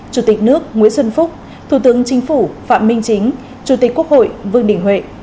chủ tịch nước nguyễn xuân phúc thủ tướng chính phủ phạm minh chính chủ tịch quốc hội vương đình huệ